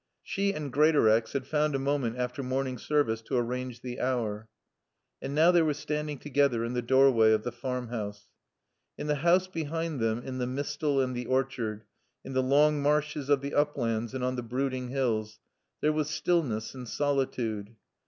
She and Greatorex had found a moment after morning service to arrange the hour. And now they were standing together in the doorway of the Farmhouse. In the house behind them, in the mistal and the orchard, in the long marshes of the uplands and on the brooding hills there was stillness and solitude.